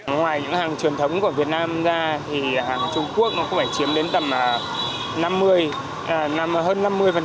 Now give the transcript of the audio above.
ngoài những hàng truyền thống của việt nam ra thì hàng trung quốc nó cũng phải chiếm đến tầm năm mươi hơn năm mươi